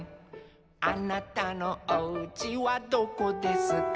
「あなたのおうちはどこですか」